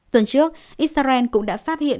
tuần trước instagram cũng đã phát hiện